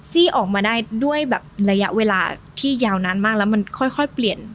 ซี่ออกมาได้ด้วยแบบระยะเวลาที่ยาวนานมากแล้วมันค่อยเปลี่ยน